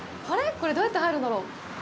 これ、どうやって入るんだろう。